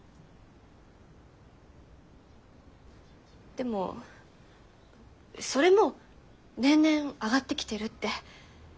でもそれも年々上がってきてるって。